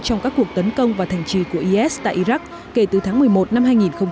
trong các cuộc tấn công vào thành trì của is tại iraq kể từ tháng một mươi một năm hai nghìn một mươi ba